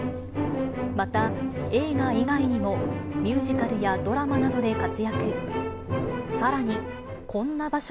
また、映画以外にも、ミュージカルやドラマなどで活躍。